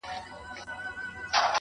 څه مسافره یمه خير دی ته مي ياد يې خو.